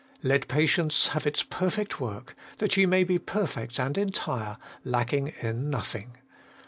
' Let patience have its perfect work, that ye may be perfect and entire, lacking in nothing.'